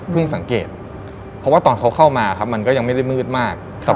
สังเกตเพราะว่าตอนเขาเข้ามาครับมันก็ยังไม่ได้มืดมาก